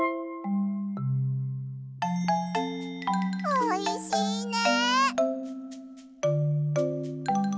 おいしいね！